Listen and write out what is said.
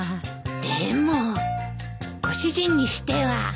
でもご主人にしては。